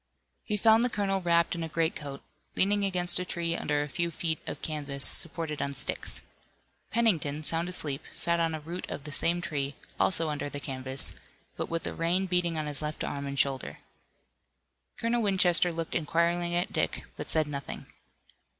He found the colonel wrapped in a greatcoat, leaning against a tree under a few feet of canvas supported on sticks. Pennington, sound asleep, sat on a root of the same tree, also under the canvas, but with the rain beating on his left arm and shoulder. Colonel Winchester looked inquiringly at Dick, but said nothing.